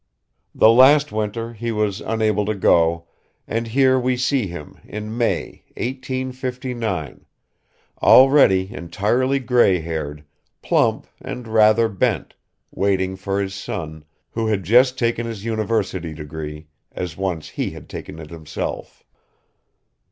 The last winter he was unable to go, and here we see him in May, 1859, already entirely grey haired, plump and rather bent, waiting for his son, who had just taken his university degree, as once he had taken it himself.